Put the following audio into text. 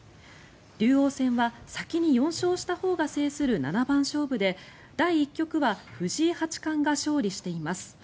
竜王戦は先に４勝したほうが制する七番勝負で第１局は藤井八冠が勝利しています。